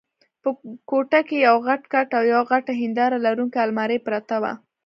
په کوټه کې یو غټ کټ او یوه غټه هنداره لرونکې المارۍ پرته وه.